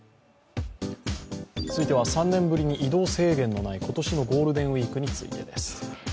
続いては３年ぶりに移動制限のない今年のゴールデンウイークについてです。